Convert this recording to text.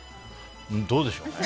どうでしょうね。